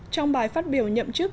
trong bài phát biểu nhậm chức